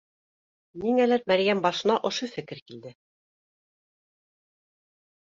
— Ниңәлер Мәрйәм башына ошо фекер килде